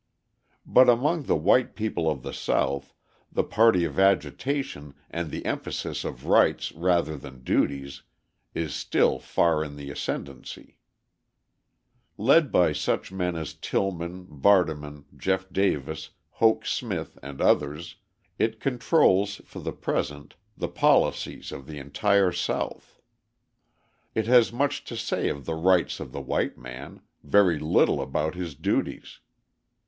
But among the white people of the South the party of agitation and the emphasis of rights rather than duties is still far in the ascendency. Led by such men as Tillman, Vardaman, Jeff Davis, Hoke Smith, and others, it controls, for the present, the policies of the entire South. It has much to say of the rights of the white man, very little about his duties.